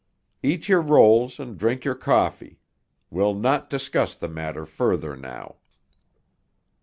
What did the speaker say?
Eat your rolls and drink your coffee. We'll not discuss the matter further now."